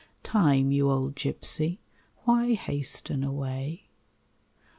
Time, you old gipsy, Why hasten away?